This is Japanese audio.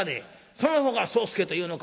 『その方が宗助というのか。